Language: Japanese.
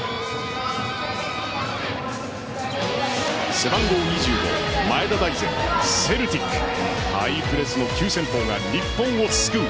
背番号２５・前田大然セルティックハイプレスの急先鋒が日本を救う。